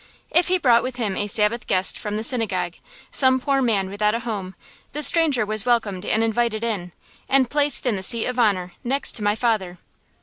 If he brought with him a Sabbath guest from the synagogue, some poor man without a home, the stranger was welcomed and invited in, and placed in the seat of honor, next to my father.